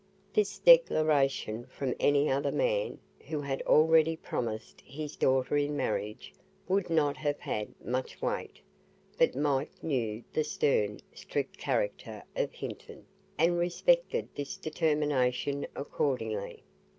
This declaration from any other man, who had already promised his daughter in marriage, would not have had much weight; but Mike knew the stern, strict character of Hinton, and respected this determination accordingly.